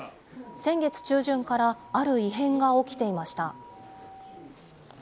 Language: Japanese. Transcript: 先月中旬からある異変が起きていました。